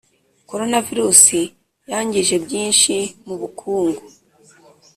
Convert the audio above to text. corona virusi yangije byinshi mu bukungu